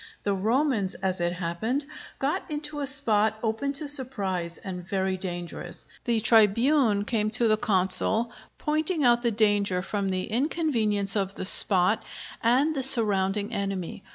The Romans, as it happened, got into a spot open to surprise, and very dangerous. The tribune came to the consul, pointing out the danger from the inconvenience of the spot, and the surrounding enemy.